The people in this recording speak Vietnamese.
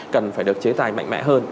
cần phải được chế tài mạnh mẽ hơn